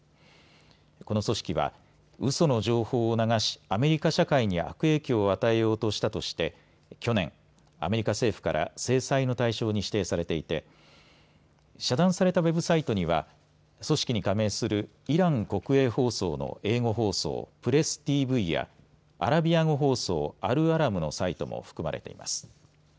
この組織はうその情報を流しアメリカ社会に悪影響を与えようとしたとして去年、アメリカ政府から制裁の対象に指定されていて遮断されたウェブサイトには組織に加盟するイラン国営放送の英語放送、プレスＴＶやアラビア語放送、アルアラムのサイトも含まれています。